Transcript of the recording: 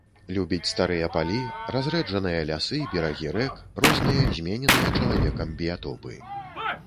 Любіць старыя палі, разрэджаныя лясы, берагі рэк, розныя змененыя чалавекам біятопы.